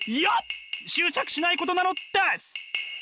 執着しないことなのです！